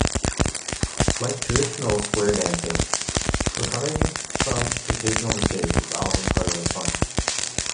Like traditional square dancing, recovering from occasional mistakes is often part of the fun.